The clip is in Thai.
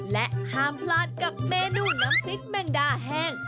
และห้ามพลาดกับเมนูน้ำพริกแมงดาแห้ง